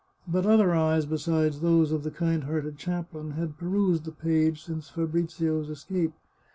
But other eyes be sides those of the kind hearted chaplain had perused the page since Fabrizio's escape.